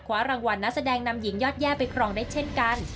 รางวัลนักแสดงนำหญิงยอดแย่ไปครองได้เช่นกัน